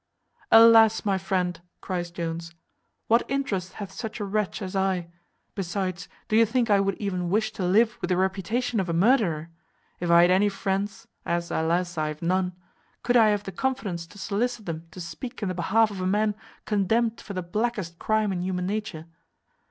"Alas! my friend," cries Jones, "what interest hath such a wretch as I? Besides, do you think I would even wish to live with the reputation of a murderer? If I had any friends (as, alas! I have none), could I have the confidence to solicit them to speak in the behalf of a man condemned for the blackest crime in human nature?